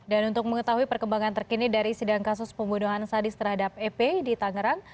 dan untuk mengetahui perkembangan terkini dari sidang kasus pembunuhan sadis terhadap ep di tangerang